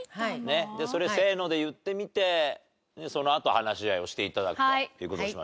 それ「せーの」で言ってみてそのあと話し合いをして頂くという事にしましょう。